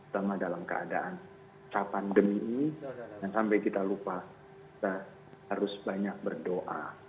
sama dalam keadaan pandemi ini dan sampai kita lupa kita harus banyak berdoa